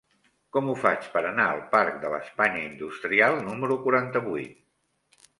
Com ho faig per anar al parc de l'Espanya Industrial número quaranta-vuit?